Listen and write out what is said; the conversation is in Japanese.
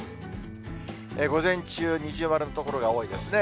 午前中、二重丸の所が多いですね。